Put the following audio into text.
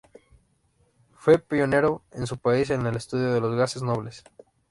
Fue pionero en su país en el estudio de los gases nobles.